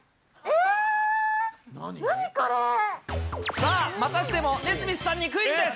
さあ、またしてもＮＥＳＭＩＴＨさんにクイズです。